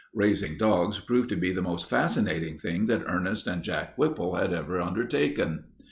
Raising dogs proved to be the most fascinating thing that Ernest and Jack Whipple had ever undertaken.